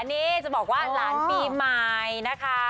นี่จะบอกว่าหลานปีใหม่นะคะ